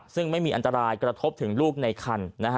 ซึ่งไม่มีอันตรายกระทบถึงลูกในคัน